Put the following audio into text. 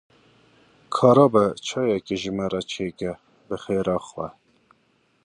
Ka rabe çayekê ji me re çêbike, bi xêra xwe.